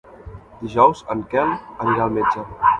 Dijous en Quel anirà al metge.